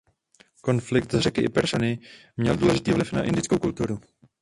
Konflikt s Řeky i Peršany měl důležitý vliv na indickou kulturu.